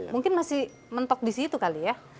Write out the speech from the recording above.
mungkin masih mentok di situ kali ya